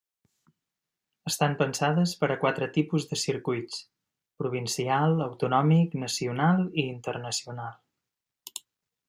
Estan pensades per a quatre tipus de circuits: provincial, autonòmic, nacional i internacional.